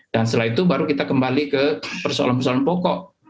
dan setelah itu baru kita kembali ke persoalan persoalan pokok